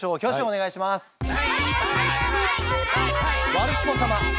ワルスポ様。